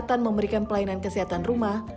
kesehatan memberikan pelayanan kesehatan rumah